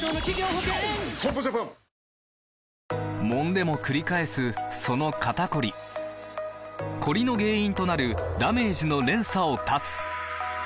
損保ジャパンもんでもくり返すその肩こりコリの原因となるダメージの連鎖を断つ！